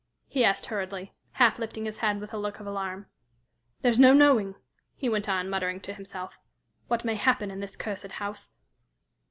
he asked hurriedly, half lifting his head with a look of alarm. "There's no knowing," he went on, muttering to himself, "what may happen in this cursed house."